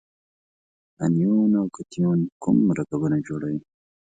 انیون او کتیون کوم مرکبونه جوړوي؟